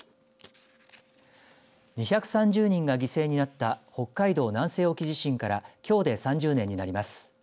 ２３０人が犠牲になった北海道南西沖地震からきょうで３０年になります。